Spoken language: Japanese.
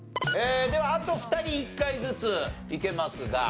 ではあと２人１回ずついけますが。